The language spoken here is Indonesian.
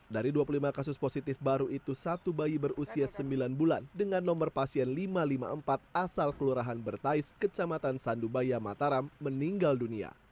dari dua puluh lima kasus positif baru itu satu bayi berusia sembilan bulan dengan nomor pasien lima ratus lima puluh empat asal kelurahan bertais kecamatan sandubaya mataram meninggal dunia